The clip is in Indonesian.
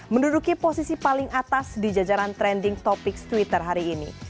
menduduki posisi paling atas di jajaran trending topic twitter hari ini